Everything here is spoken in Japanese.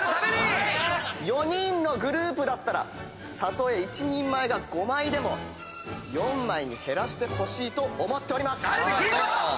４人のグループだったらたとえ一人前が５枚でも４枚に減らしてほしいと思っております。